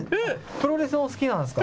プロレスお好きなんですか。